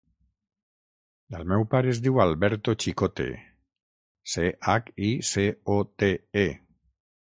El meu pare es diu Alberto Chicote: ce, hac, i, ce, o, te, e.